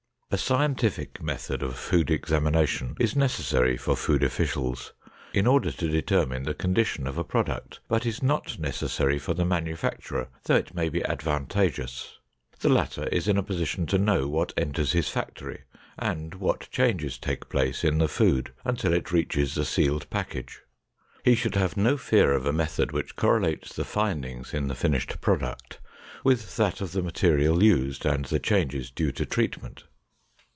A scientific method of food examination is necessary for food officials in order to determine the condition of a product, but is not necessary for the manufacturer, though it may be advantageous. The latter is in a position to know what enters his factory and what changes take place in the food until it reaches the sealed package. He should have no fear of a method which correlates the findings in the finished product with that of the material used and the changes due to treatment.